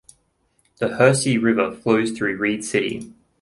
The Hersey River flows through Reed City.